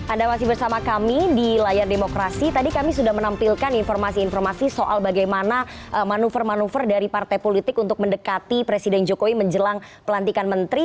anda masih bersama kami di layar demokrasi tadi kami sudah menampilkan informasi informasi soal bagaimana manuver manuver dari partai politik untuk mendekati presiden jokowi menjelang pelantikan menteri